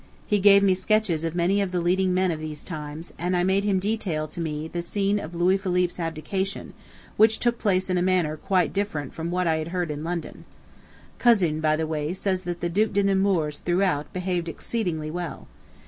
He gave me sketches of many of the leading men of these times, and I made him detail to me he scene of Louis Philippe's abdication, which took place in a manner quite different from what I had heard in London." ... "Cousin, by the way, says that the Duc de Nemours throughout, behaved exceedingly well.